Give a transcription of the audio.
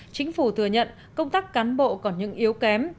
chính phủ thừa nhận công tác cán bộ còn những yếu kém